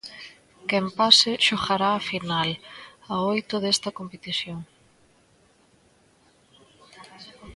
Quen pase xogará a final a oito desta competición.